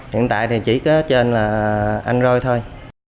hiện tại thì chỉ có trên android thôi